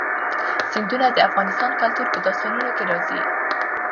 سیندونه د افغان کلتور په داستانونو کې راځي.